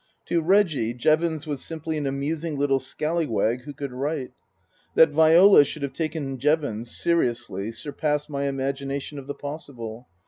To Reggie Jevons was simply an amusing little scallywag who could write. That Viola should have taken Jevons seriously surpassed his imagination of the possible.